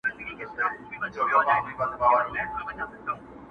نه یې پل معلومېدی او نه یې نښه!!